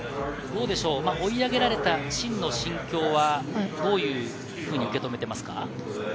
追い上げられたシンの心境はどういうふうに受け止めていますか？